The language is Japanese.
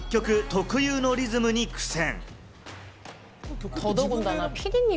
特有のリズムに苦戦。